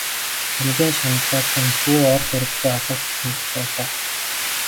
Хамгийн шаналгаатай нь хүү ор сураггүй алга болсонд л байлаа.